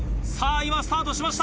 今スタートしました。